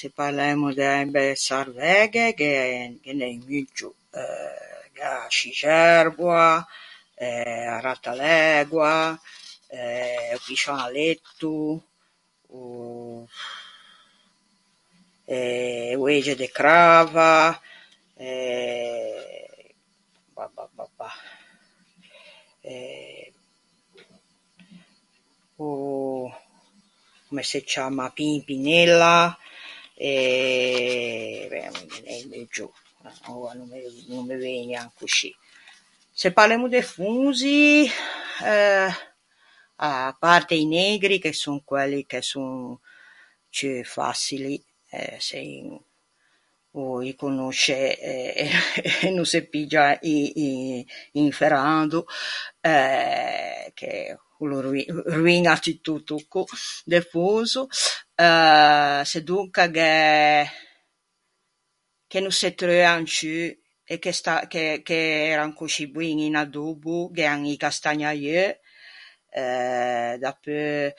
Se parlemmo d'erbe sarvæghe gh'é, ghe n'é un muggio. Gh'é a scixerboa, eh, a rattalægua, eh o piscialetto, o... e oege de crava, eh... pa pa pa pa... eh... o... comme se ciamma... pimpinella, eh, ben, ghe n'é un muggio. Oua no me no me vëgnan coscì. Se parlemmo de fonzi, euh, à parte i neigri, che son quelli che son ciù façili, eh se un o î conosce e e e no se piggia u- un un ferrando, eh, che quello roin- roiña tutto o tocco de fonzo, euh... sedonca gh'é, che no se treuan ciù e che sta- che che ean coscì boin in adobbo gh'ean i castagnaieu, eh... dapeu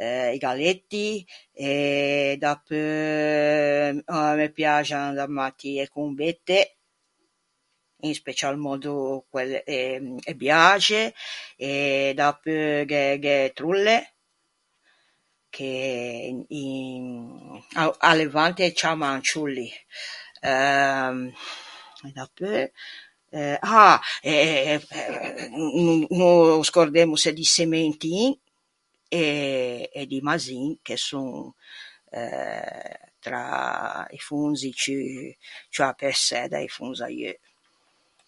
eh i galletti, e... dapeu me piaxan da matti e combette, in special mòddo quelle e e viaxe, e dapeu gh'é gh'é e trolle, che... in... a-o à levante ê ciamman ciolli... euh, dapeu... ah! e e e no no scordemmose di sementin e di mazzin, che son tra i fonzi ciù, ciù appressæ da-i fonzaieu.